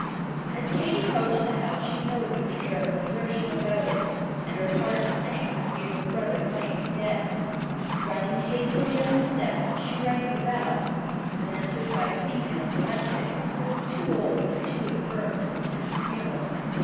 As Kate approached the house she noticed the air of desertion about it, and her heart sank for fear her brother might be dead. Running hastily up the steps, she rang the bell, which was answered by a female domestic, who was too old and too infirm to attend the funeral.